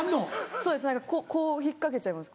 そうです何かこう引っ掛けちゃいます。